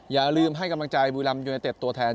อย่าลืมให้กำลังใจบุรีรัมยูเนเต็ดตัวแทน